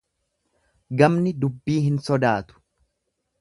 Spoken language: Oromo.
Gamni dubbii hin sodaatu.